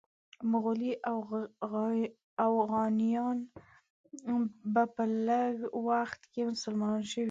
مغولي اوغانیان به په لږ وخت کې مسلمانان شوي وي.